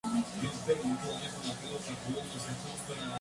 Actualmente todos sus capítulos de este programa pueden ser vistos en YouTube.